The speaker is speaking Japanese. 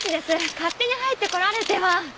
勝手に入って来られては。